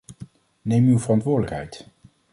Neem uw verantwoordelijkheid.